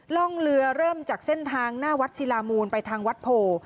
ร่องเรือเริ่มจากเส้นทางหน้าวัดศิลามูลไปทางวัดโพ